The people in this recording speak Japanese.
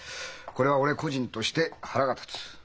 これは俺個人として腹が立つ。